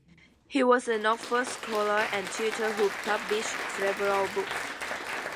He was an Oxford scholar and tutor who published several books.